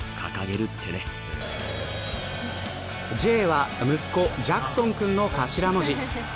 Ｊは息子ジャクソン君の頭文字。